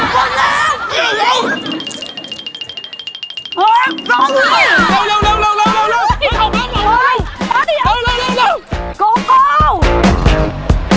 คนละครึ่ง